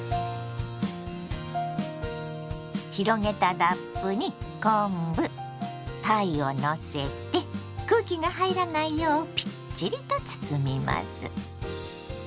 広げたラップに昆布たいをのせて空気が入らないようぴっちりと包みます。